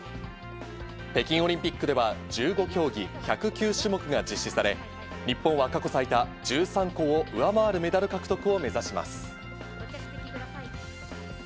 北京オリンピックでは、１５競技１０９種目が実施され、日本は過去最多、１３個を上回るメダル獲得を目指します。